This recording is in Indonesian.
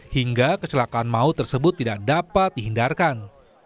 hingga kecelakaan maut tersebut tidak dapat dihindarkan